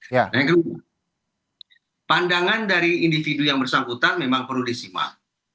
nah yang kedua pandangan dari individu yang bersangkutan memang perlu disimak